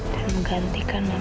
dan menggantikan mama kamu